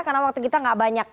karena waktu kita gak banyak